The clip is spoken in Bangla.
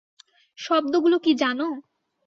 শব্দগুলো কী জানো?